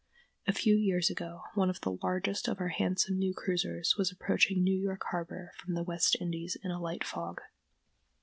A few years ago one of the largest of our handsome new cruisers was approaching New York harbor from the West Indies in a light fog.